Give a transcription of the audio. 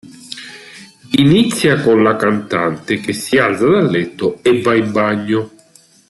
Inizia con la cantante che si alza dal letto e va in bagno.